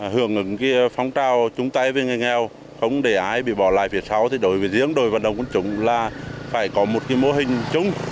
hưởng ứng phong trào chúng ta với người nghèo không để ai bị bỏ lại việc sau thì đối với riêng đội vận động quân chủng là phải có một mô hình chung